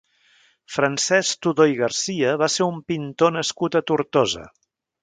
Francesc Todó i Garcia va ser un pintor nascut a Tortosa.